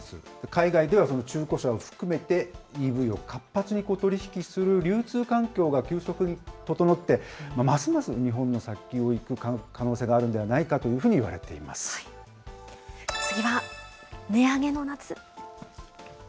海外ではその中古車を含めて、ＥＶを活発に取り引きする流通環境が急速に整って、ますます日本の先を行く可能性があるのではないかといわれていま次は、値上げの夏。